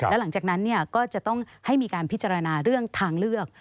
แล้วหลังจากนั้นก็จะต้องให้มีการพิจารณาเรื่องทางเลือก